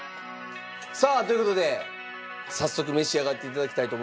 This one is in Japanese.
さあという事で早速召し上がって頂きたいと思います。